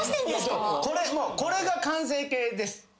これもうこれが完成形です。